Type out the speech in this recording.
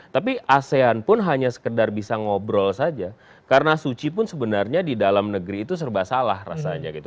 tapi asean pun hanya sekedar bisa ngobrol saja karena suci pun sebenarnya di dalam negeri itu serba salah rasanya gitu